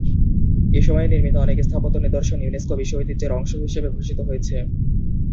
এসময়ে নির্মিত অনেক স্থাপত্য নিদর্শন ইউনেস্কো বিশ্ব ঐতিহ্যের অংশ হিসেবে ঘোষিত হয়েছে।